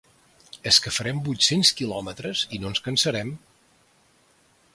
És que farem vuit-cents quilòmetres i no ens cansarem .